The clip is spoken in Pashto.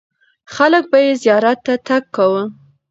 خلک به یې زیارت ته تګ کاوه.